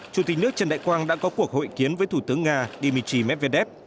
chủ tịch nước trần đại quang đã có cuộc hội kiến với thủ tướng nga dmitry medvedev